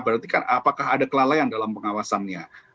berarti kan apakah ada kelalaian dalam pengawasannya